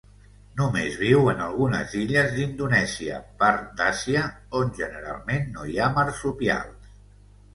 Només viu en algunes illes d'Indonèsia, part d'Àsia, on generalment no hi ha marsupials.